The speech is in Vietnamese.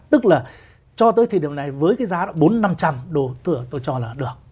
tức là cho tới thời điểm này với cái giá bốn trăm linh năm trăm linh đồ tôi cho là được